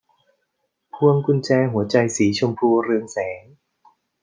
พวงกุญแจหัวใจสีชมพูเรืองแสง